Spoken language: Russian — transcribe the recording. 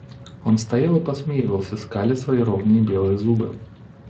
Он стоял и посмеивался, скаля свои ровные белые зубы.